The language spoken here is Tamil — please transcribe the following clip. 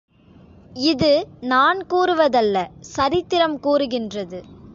இது நான் கூறுவதல்ல சரித்திரம் கூறுகின்றது.